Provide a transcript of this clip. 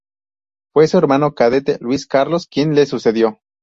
Fue su hermano cadete, Luis Carlos, quien le sucedió.